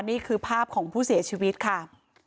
นี่คือภาพของผู้เสียชีวิตค่ะ